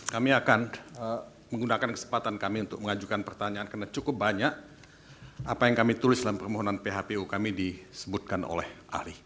kami akan menggunakan kesempatan kami untuk mengajukan pertanyaan karena cukup banyak apa yang kami tulis dalam permohonan phpu kami disebutkan oleh ahli